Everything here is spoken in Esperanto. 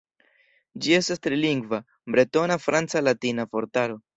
Ĝi estas tri-lingva, bretona-franca-latina vortaro.